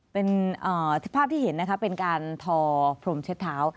เป็นภาพที่เห็นนะคะเป็นการทอพรมเช็ดเท้า